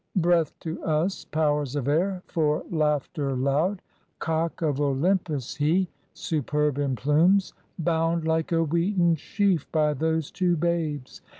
Breath to us, Powers of air, for laughter loud! Cock of Olympus he, superb in plumes! Bound like a wheaten sheaf by those two babes!